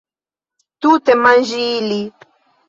Tute manĝi ili.